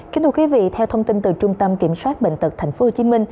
kính thưa quý vị theo thông tin từ trung tâm kiểm soát bệnh tật tp hcm